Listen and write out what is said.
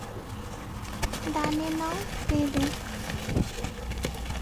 ডানে নাও, প্যেব্যাক!